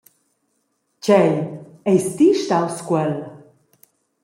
Tgei, eis ti staus quel?